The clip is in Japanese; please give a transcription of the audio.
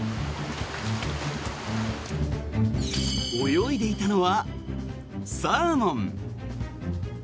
泳いでいたのはサーモン。